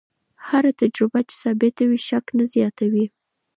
هره تجربه چې ثابته وي، شک نه زیاتوي.